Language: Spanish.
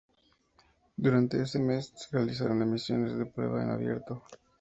Durante ese mes, se realizaron emisiones de prueba en abierto.